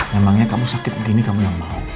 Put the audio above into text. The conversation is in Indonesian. memangnya kamu sakit begini kamu yang mau